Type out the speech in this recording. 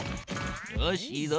よしいいぞ。